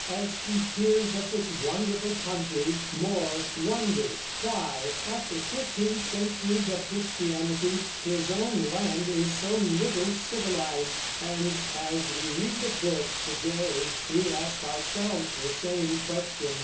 As he hears of this wonderful country More wonders why, after fifteen centuries of Christianity, his own land is so little civilized; and as we read the book to day we ask ourselves the same question.